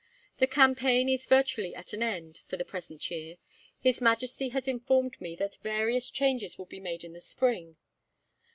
The campaign is virtually at an end, for the present year. His Majesty has informed me that various changes will be made in the spring.